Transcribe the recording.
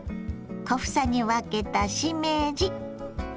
小房に分けたしめじ。